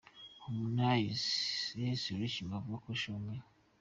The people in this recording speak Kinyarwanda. Harmonize X Rich Mavoko – Show Me.